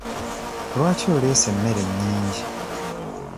Lwaki oleese emmere nnyingi?